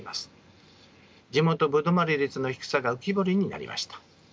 地元歩留まり率の低さが浮き彫りになりました。